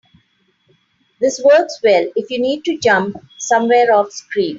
This works well if you need to jump somewhere offscreen.